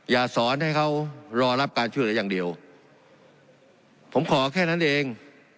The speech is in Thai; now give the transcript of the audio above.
อย่าสอนให้เขารอรับการช่วยเหลืออย่างเดียวผมขอแค่นั้นเอง